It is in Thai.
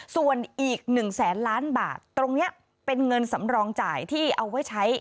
ส่วนอีก๑แสนล้านบาทตรงนี้เป็นเงินสำรองจ่ายที่เอาไว้ใช้